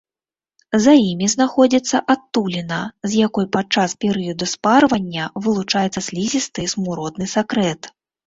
За імі знаходзіцца адтуліна, з якой падчас перыяду спарвання вылучаецца слізісты, смуродны сакрэт.